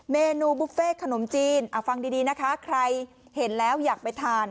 เมนูบุฟเฟ่ขนมจีนฟังดีนะคะใครเห็นแล้วอยากไปทาน